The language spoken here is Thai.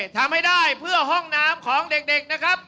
ทำให้ได้เพื่อห้องน้ำของเด็กนะครับ